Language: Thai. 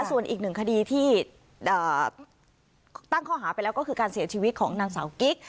ส่วนอีกหนึ่งคดีที่ตั้งข้อหาไปแล้วก็คือการเสียชีวิตของนางสาวกิ๊ก